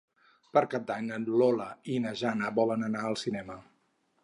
Per Cap d'Any na Lola i na Jana volen anar al cinema.